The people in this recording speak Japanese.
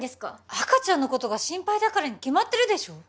赤ちゃんのことが心配だからに決まってるでしょ